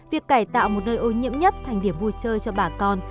việc cải tạo một nơi ô nhiễm nhất thành điểm vui chơi cho bà con